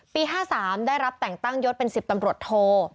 ๕๓ได้รับแต่งตั้งยศเป็น๑๐ตำรวจโท